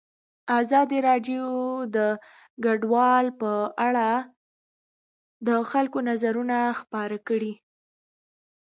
ازادي راډیو د کډوال په اړه د خلکو نظرونه خپاره کړي.